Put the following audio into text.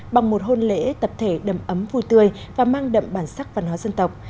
bằng một hôn lễ tập thể đầm ấm vui tươi và mang đậm bản sắc văn hóa dân tộc